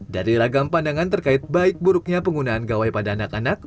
dari ragam pandangan terkait baik buruknya penggunaan gawai pada anak anak